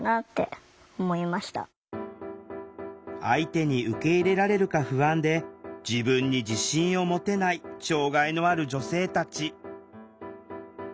相手に受け入れられるか不安で自分に自信を持てない障害のある女性たち。